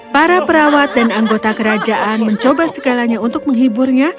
para perawat dan anggota kerajaan mencoba segalanya untuk menghiburnya